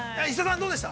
どうでした？